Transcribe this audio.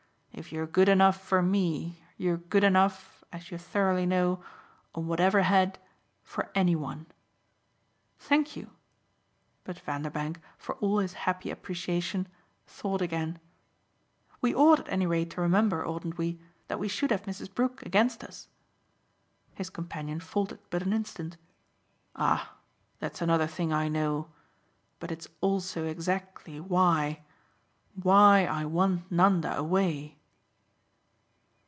If you're good enough for me you're good enough, as you thoroughly know, on whatever head, for any one." "Thank you." But Vanderbank, for all his happy appreciation, thought again. "We ought at any rate to remember, oughtn't we? that we should have Mrs. Brook against us." His companion faltered but an instant. "Ah that's another thing I know. But it's also exactly why. Why I want Nanda away."